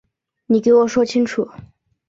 你给我说清楚